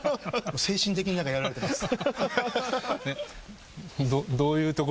精神的にやられてます。